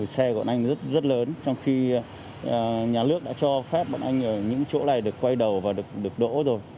xe bọn anh rất lớn trong khi nhà nước đã cho phép bọn anh ở những chỗ này được quay đầu và được đỗ rồi